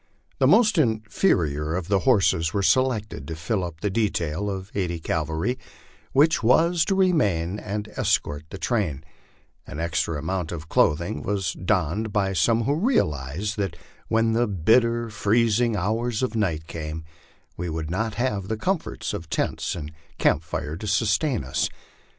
The most inferior of the horses were selected to fill up the detail of eighty cavalry which was to remain and escort the train ; an extra amount of clothing was donned by some who realized that when the bitter, freezing hours of night came we would not have the comforts of tents and camp fire to sustain us.